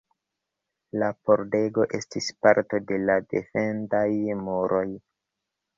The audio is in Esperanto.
La pordego estis parto de la defendaj muroj.